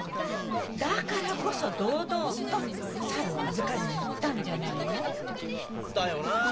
だからこそ堂々と猿を預かりに行ったんじゃないの。だよな。